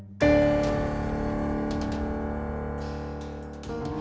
bukan bu rini